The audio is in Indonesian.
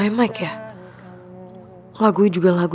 ku tak akan goyang